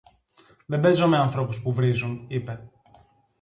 Δεν παίζω με ανθρώπους που βρίζουν, είπε